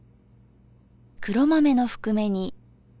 黒豆のふくめ煮。